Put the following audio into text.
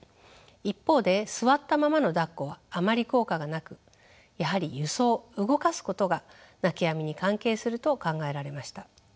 一方で座ったままのだっこはあまり効果がなくやはり輸送動かすことが泣きやみに関係すると考えられました。